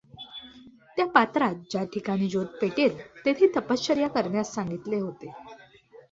त्या पात्रात ज्या ठिकाणी ज्योत पेटेल, तेथे तपश् चर्या करण्यास सांगितले होते.